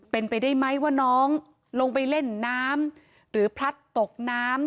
เป็นไปได้ไหมว่าน้องลงไปเล่นน้ำหรือพลัดตกน้ำ